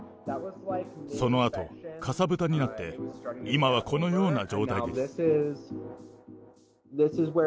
そのあと、かさぶたになって、今はこのような状態です。